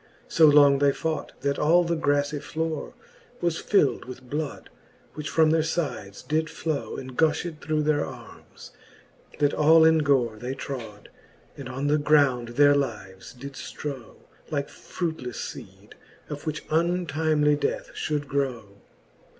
So long they fought, that all the graflie flore Was fild with bloud, which from their fides did flow, And gufhed through their armes, that all in gore They trode, and on the ground their lives did ftrow. Like fruitlefle feede, of which untimely death Ihould grow.